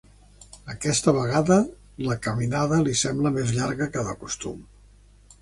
Aquesta vegada la caminada li sembla més llarga que de costum.